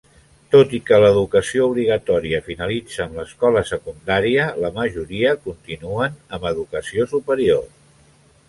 Tot i que l'educació obligatòria finalitza amb l'escola secundària, la majoria continuen amb l'educació superior.